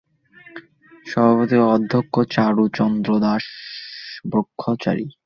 সভায় সভাপতিত্ব করবেন ইসকন স্বামীবাগ আশ্রমের অধ্যক্ষ চারু চন্দ্র দাস ব্রহ্মচারী।